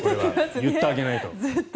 言ってあげないと。